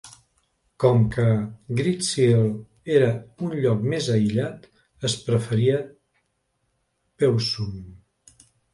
Com que Greetsiel era un lloc més aïllat, es preferia Pewsum.